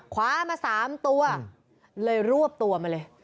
คว้ามา๓ตัวเลยรวบตัวมาเลย